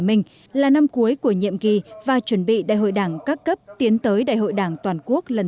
minh là năm cuối của nhiệm kỳ và chuẩn bị đại hội đảng các cấp tiến tới đại hội đảng toàn quốc lần